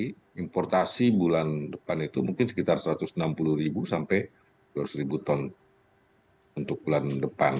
importasi bulan depan itu mungkin sekitar satu ratus enam puluh ribu sampai dua ratus ton untuk bulan depan